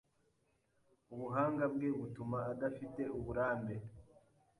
Ubuhanga bwe butuma adafite uburambe.